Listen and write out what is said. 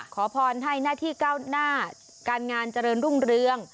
ขอพรให้หน้าที่ก้าวหน้าการงานเจริญรุ่งเรือง